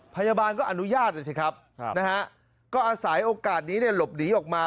พยาบาลก็อนุญาตเลยสิครับนะฮะก็อาศัยโอกาสนี้หลบหนีออกมา